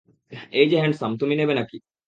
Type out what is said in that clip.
এই যে হ্যান্ডসাম, তুমি নেবে নাকি?